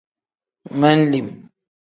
Men-lim.